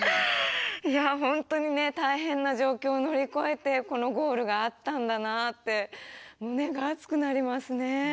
いや本当に大変な状況を乗り越えてこのゴールがあったんだなって胸が熱くなりますね。